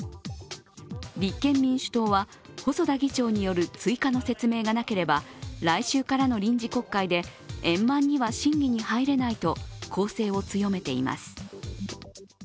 立憲民主党は細田議長による追加の説明がなければ来週からの臨時国会で円満には審議に入れないと攻勢を強めています。